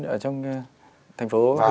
ở trong thành phố